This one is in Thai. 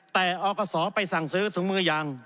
แต่อกศไปสั่งซื้อถุงมือยาง